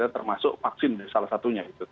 termasuk vaksin salah satunya